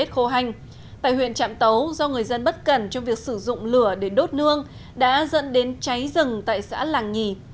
các bác sĩ đã đặt sử dụng lửa để đốt nương đã dẫn đến cháy rừng tại xã làng nhì